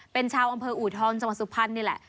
เป็นชาวอำเภออูทองสมสุพรรณนี่แหละ